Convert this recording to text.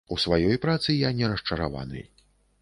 У сваёй працы я не расчараваны.